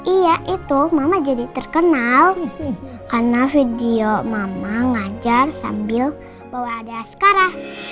iya itu mama jadi terkenal karena video mama ngajar sambil bahwa ada sekarang